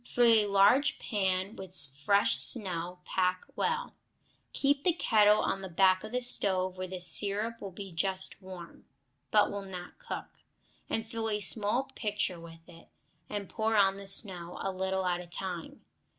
Fill a large pan with fresh snow, pack well; keep the kettle on the back of the stove, where the syrup will be just warm, but will not cook, and fill a small pitcher with it, and pour on the snow, a little at a time.